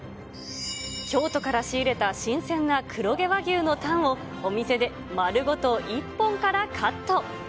京都から仕入れた新鮮な黒毛和牛のタンを、お店で丸ごと１本からカット。